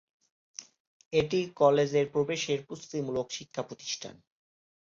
এটি কলেজের প্রবেশের প্রস্তুতিমূলক শিক্ষা প্রতিষ্ঠান।